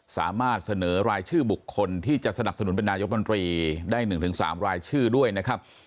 สามารถเสนอรายชื่อบุคคลที่จะสนับสนุนเป็นนายกรรมนตรีได้๑๓รายชื่อด้วยนะครับ